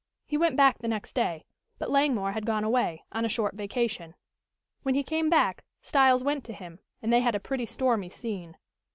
He went back the next day, but Langmore had gone away, on a short vacation. When he came back Styles went to him and they had a pretty stormy scene.